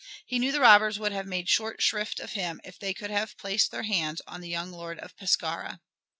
He knew the robbers would have made short shrift of him if they could have placed their hands on the young Lord of Pescara.